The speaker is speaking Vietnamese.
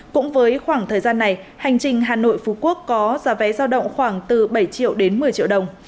cũng với khoảng thời gian này hành trình hà nội phú quốc có giá vé giao động khoảng từ bảy triệu đến một mươi triệu đồng